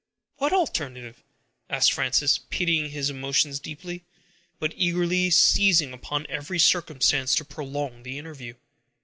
"What alternative?" asked Frances, pitying his emotions deeply, but eagerly seizing upon every circumstance to prolong the interview.